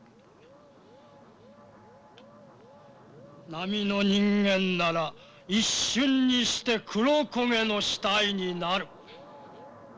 並の人間なら一瞬にして黒焦げの死体になる。